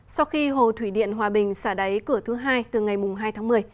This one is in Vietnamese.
sau khi hồ thủy điện hòa bình xả đáy cửa thứ hai từ ngày hai tháng một mươi